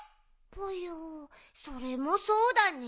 ぽよそれもそうだね。